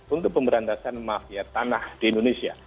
untuk pemberantasan mafia tanah di indonesia